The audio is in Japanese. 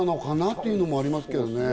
っていうのもありますけどね。